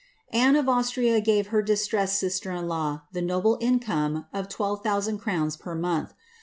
' Anne of Austria gave her distressed sister in law the noble income of 12,000 crowns per month.